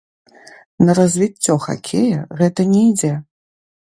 На развіццё хакея гэта не ідзе.